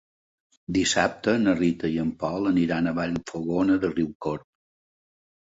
Dissabte na Rita i en Pol aniran a Vallfogona de Riucorb.